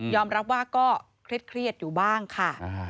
รับว่าก็เครียดอยู่บ้างค่ะ